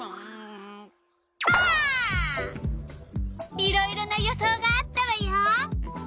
いろいろな予想があったわよ。